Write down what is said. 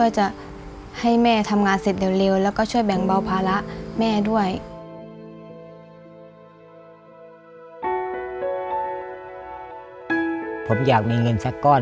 ถ้ามีเงินเหลือจากการใช้หนี้แล้วผมจะเก็บไว้ให้ลูกอย่างหนังสือ